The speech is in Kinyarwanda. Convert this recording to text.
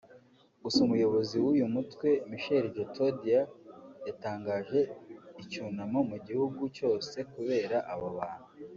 gusa umuyobozi w’uyu mutwe Michel Djotodia yatangaje icyunamo mu gihugu cyose kubera abo bantu